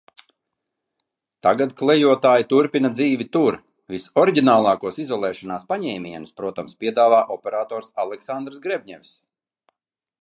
Tagad Klejotāji turpina dzīvi tur. Visoriģinālākos izolēšanās paņēmienus, protams, piedāvā operators Aleksandrs Grebņevs.